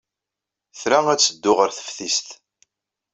Tra ad teddu ɣer teftist.